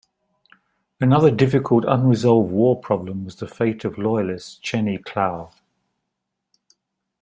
Another difficult unresolved war problem was the fate of loyalist Cheney Clow.